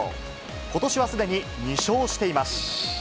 ことしはすでに２勝しています。